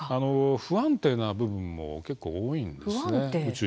不安定な部分も結構、多いんです。